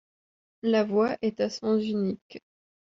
La voie est à sens unique.